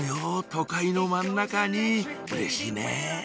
都会の真ん中にうれしいねぇ